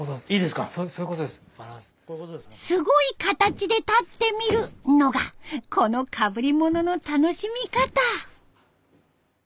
「すごい形で立ってみる」のがこのかぶりものの楽しみ方。